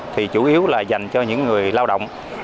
thì chủ yếu là dành cho những người lao động